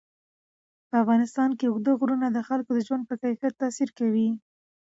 په افغانستان کې اوږده غرونه د خلکو د ژوند په کیفیت تاثیر کوي.